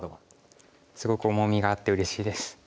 すごく重みがあってうれしいです。